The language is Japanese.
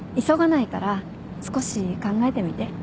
急がないから少し考えてみて。